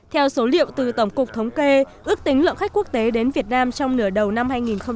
theo số liệu từ tổng cục thống kê ước tính lượng khách quốc tế đến việt nam trong nửa đầu năm hai nghìn hai mươi